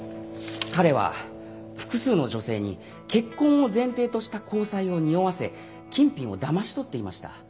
彼は複数の女性に結婚を前提とした交際をにおわせ金品をだまし取っていました。